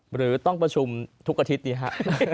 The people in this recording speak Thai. หรือต้องประชุมทุกอาทิตย์ดีครับ